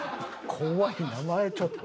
怖い名前ちょっと。